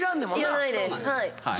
いらないです。